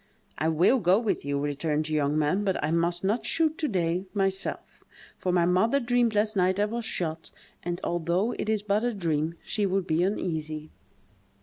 "I will go with you," returned the young man, "but I must not shoot, to day, myself; for my mother dreamed last night I was shot; and, although it is but a dream, she would be uneasy."